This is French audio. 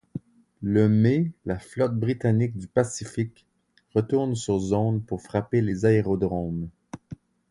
Le mai, la flotte britannique du Pacifique retourne sur zone pour frapper les aérodromes.